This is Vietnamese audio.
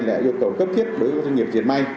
là yêu cầu cấp thiết đối với doanh nghiệp diệt may